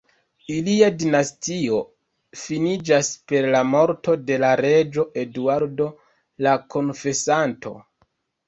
Ilia dinastio finiĝas per la morto de la reĝo Eduardo la Konfesanto.